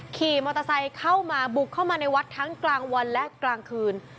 ขี่มอเตอร์ไซค์เข้ามาบุกเข้ามาในวัดทั้งกลางวันและกลางคืน